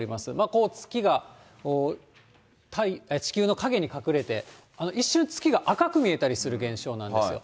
こう、月が地球の影に隠れて、一瞬月が赤く見えたりする現象なんですよ。